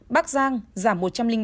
bắc giang giảm một trăm linh bảy